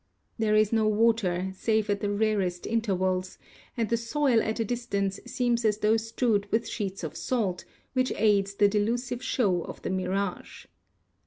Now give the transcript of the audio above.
There is no water, save at the rarest in tervals, and the soil at a distance seems as tho strewed with sheets of salt, which aids the delusive show of the mirage.